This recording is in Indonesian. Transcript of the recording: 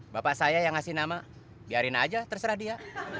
bapak saya yang ngasih nama biarin aja terserah dia